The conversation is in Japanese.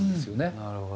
なるほどな。